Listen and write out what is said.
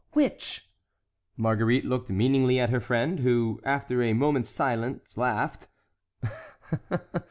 "Which?" Marguerite looked meaningly at her friend, who, after a moment's silence, laughed.